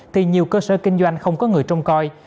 thì nhiều cơ sở kinh doanh không có người trông coi